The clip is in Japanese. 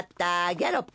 ギャロップ！